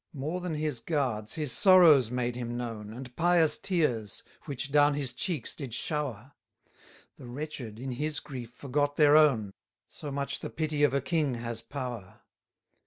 240 More than his guards, his sorrows made him known, And pious tears, which down his cheeks did shower; The wretched in his grief forgot their own; So much the pity of a king has power.